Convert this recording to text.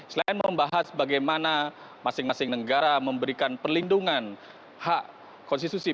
selain membahas bagaimana masing masing negara memberikan perlindungan hak konstitusi